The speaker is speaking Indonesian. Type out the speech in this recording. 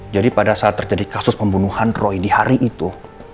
pada saat terjadi kasus pembunuhan roy di hari itu